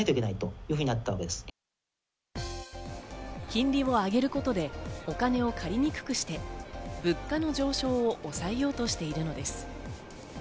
金利を上げることでお金を借りにくくして、物価の上昇を抑えようとしているのです。